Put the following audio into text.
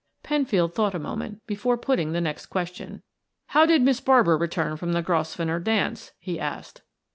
Penfield thought a moment before putting the next question. "How did Miss Barbara return from the Grosvenor dance?" he asked.